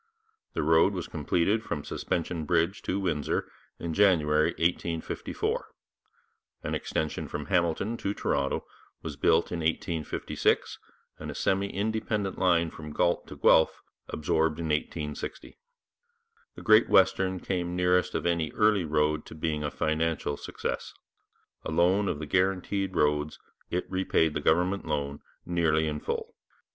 The road was completed from Suspension Bridge to Windsor in January 1854. An extension from Hamilton to Toronto was built in 1856, and a semi independent line from Galt to Guelph absorbed in 1860. The Great Western came nearest of any early road to being a financial success; alone of the guaranteed roads it repaid the government loan, nearly in full.